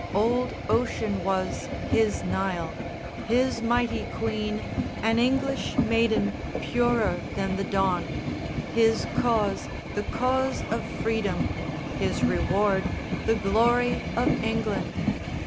Old ocean was his Nile, his mighty queen An English maiden purer than the dawn, His cause the cause of Freedom, his reward The glory of England.